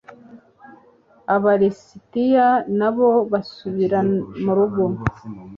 aba lisitiya na bo basubiramurugo